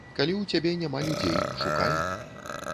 Калі ў цябе няма людзей, шукай.